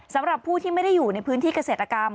สำหรับผู้ที่ไม่ได้อยู่ในพื้นที่เกษตรกรรม